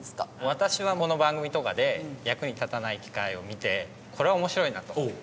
私はこの番組とかで役に立たない機械を見てこれは面白いなと。